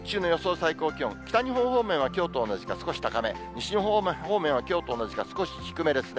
最高気温、北日本方面はきょうと同じか、少し高め、西日本方面は、きょうと同じか、少し低めですね。